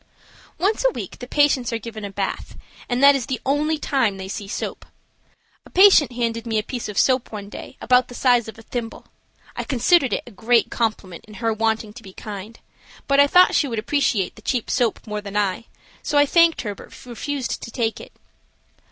Once a week the patients are given a bath, and that is the only time they see soap. A patient handed me a piece of soap one day about the size of a thimble, I considered it a great compliment in her wanting to be kind, but I thought she would appreciate the cheap soap more than I, so I thanked her but refused to take it.